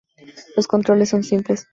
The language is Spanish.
Los controles son simples.